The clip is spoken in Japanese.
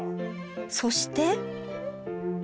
そして